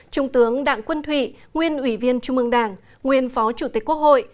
trung tướng đảng quân thủy nguyên ủy viên trung mương đảng nguyên phó chủ tịch quốc hội